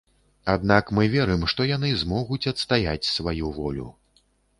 Аднак мы верым, што яны змогуць адстаяць сваю волю.